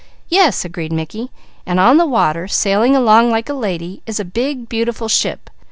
"Yes," agreed Mickey. "And on the water, sailing along like a lady, is a big, beautiful ship.